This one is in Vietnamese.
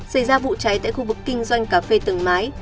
xảy ra vụ cháy tại khu vực kinh doanh cà phê tầng mái